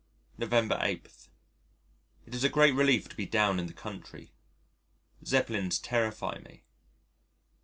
November 8. It is a great relief to be down in the country. Zeppelins terrify me.